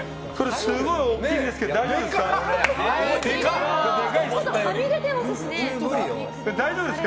すごい大きいですけど大丈夫ですか？